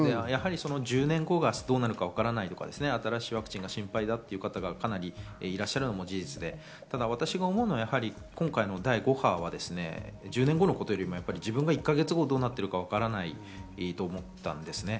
１０年後どうなるかわからないとか新しいワクチンが心配だという方がいらっしゃるのも事実で、私が思うのは今回、第５波は１０年後のことよりも自分が１か月後、どうなってるかわからないと思ったんですね。